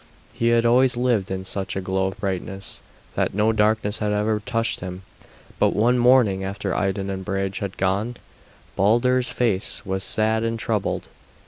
He had always lived in such a glow of brightness that no darkness had ever touched him; but one morning, after Idun and Brage had gone, Balder's face was sad and troubled.